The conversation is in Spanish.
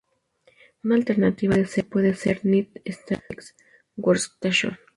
Una alternativa a esto puede ser usar" "net statistics workstation".